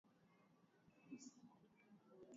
Tenga pembeni matembele yako